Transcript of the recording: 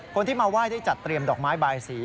คนที่มาไหว้ได้จัดเตรียมดอกไม้บายสี